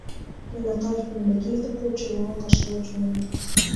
Мен Акаев менен Бакиевди кууп чыгууга каршы болчумун.